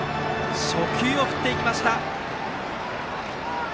初球を振っていきました。